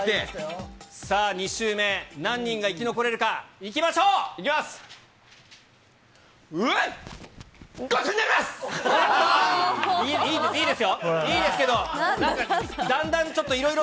さあ、２周目、何人が生き残れるか、いきましょう。いきます。